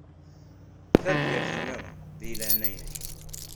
Tabyirt-iḍen, deg leɛnaya-k.